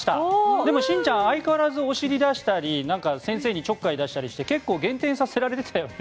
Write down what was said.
でも、しんちゃんは相変わらずお尻を出したり先生にちょっかい出したりして結構減点させられたよね。